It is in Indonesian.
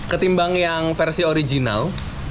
ketimbang yang versi original